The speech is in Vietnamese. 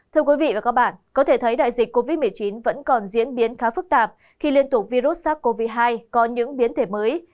thưa quý vị và các bạn có thể thấy đại dịch covid một mươi chín vẫn còn diễn biến khá phức tạp khi liên tục virus sars cov hai có những biến thể mới